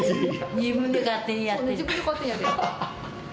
自分で勝手にやった。